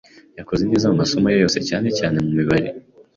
Yakoze neza mu masomo yose, cyane cyane mu mibare.